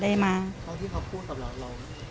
ตอนที่เขาพูดกับหลานเรา